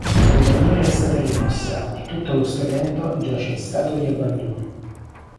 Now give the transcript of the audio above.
La pedaliera è stata rimossa, e tutto lo strumento giace in stato di abbandono.